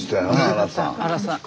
荒さん。